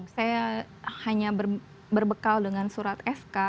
saya hanya berbekal dengan surat sk